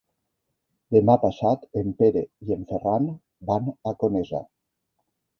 Demà passat en Pere i en Ferran van a Conesa.